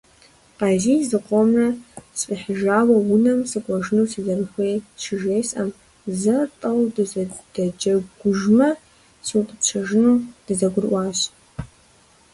Къазий зыкъомрэ сфӀихьыжауэ, унэм сыкӀуэжыну сызэрыхуейр щыжесӀэм, зэ–тӀэу дызэдэджэгужмэ, сиутӏыпщыжыну дызэгурыӏуащ.